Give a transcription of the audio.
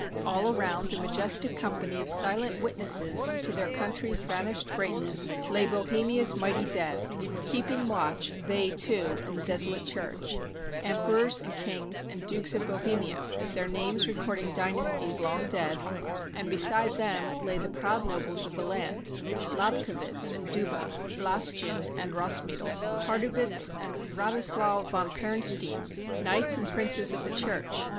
All around, a majestic company of silent witnesses to their country's vanished greatness, lay Bohemia's mighty dead — keeping watch they, too, in the desolate church: emperors and kings and dukes of Bohemia, their names recording dynasties long dead ; and beside them lay the proud nobles of the land: Lobkowitz and Duba, Wlas chin and Rozmital, Pardubitz and Wratislaw von Pern stein, knights and princes of the Church.